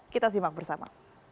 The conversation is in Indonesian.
kita simak bersama